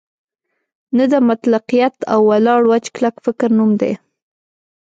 نه د مطلقیت او ولاړ وچ کلک فکر نوم دی.